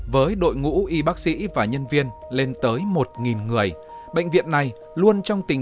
với đội ngũ y bác sĩ và nhân viên lên tới một người bệnh viện này luôn trong tình